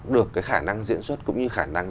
được cái khả năng diễn xuất cũng như khả năng